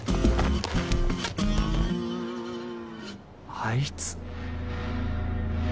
あいつ。